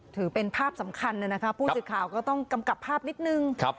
ถือเป็นภาพสำคัญเลยนะคะผู้สื่อข่าวก็ต้องกำกับภาพนิดนึง